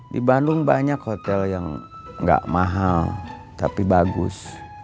di bandung banyak hotel yang nggak mahal tapi bagus